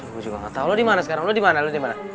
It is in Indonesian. gue juga gak tau lo dimana sekarang lo dimana lo dimana